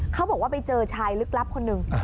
เขาบอกว่าไปเจอชายลึกลับคนหนึ่ง